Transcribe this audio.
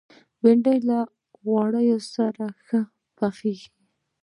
بېنډۍ د لږ غوړو سره ښه پخېږي